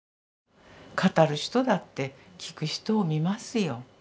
語る人だってきく人を見ますよ。